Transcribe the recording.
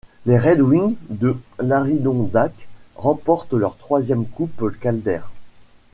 Les Red Wings de l'Adirondack remportent leur troisième coupe Calder.